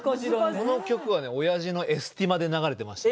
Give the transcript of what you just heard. この曲はねおやじのエスティマで流れてました。